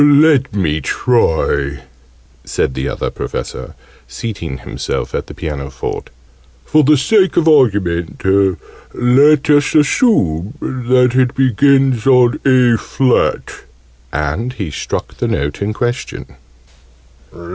"Let me try," said the Other Professor, seating himself at the pianoforte. "For the sake of argument, let us assume that it begins on A flat." And he struck the note in question.